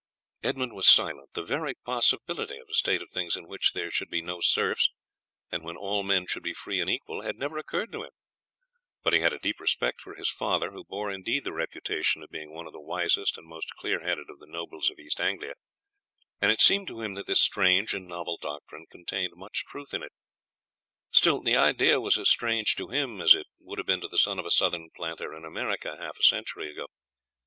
Edmund was silent. The very possibility of a state of things in which there should be no serfs, and when all men should be free and equal, had never occurred to him; but he had a deep respect for his father, who bore indeed the reputation of being one of the wisest and most clear headed of the nobles of East Anglia, and it seemed to him that this strange and novel doctrine contained much truth in it. Still the idea was as strange to him as it would have been to the son of a southern planter in America half a century ago.